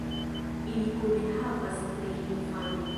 Ili kune havas tri infanojn.